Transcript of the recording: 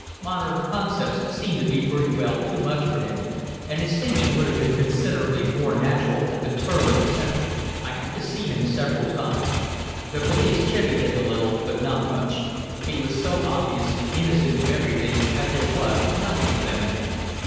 Modern concepts seemed to be pretty well too much for him, and his thinking would have been considerably more natural at the turn of the century. "I had to see him several times. The police chivvied him a little, but not much; he was so obviously innocent of everything that there was nothing for them in him.